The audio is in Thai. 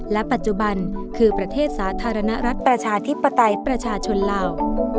และปัจจุบันคือประเทศสาธารณรัฐประชาธิปไตยประชาชนลาว